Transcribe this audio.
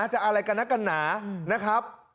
จะอะไรกันนักกันหนานะครับ